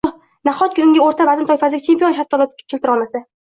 Nahot, unga o`rta vazn toifasidagi chempion shaftoli topib keltirolmasa